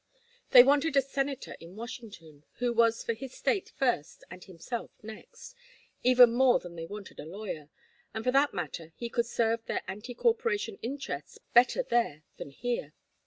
They wanted a senator in Washington who was for his State first and himself next, even more than they wanted a lawyer; and for that matter he could serve their anti corporation interests better there than here.